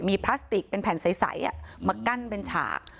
มีพลาสติกเป็นแผ่นใสมากั้นเป็นฉาก